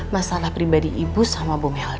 masalah pribadi ibu sama bumeh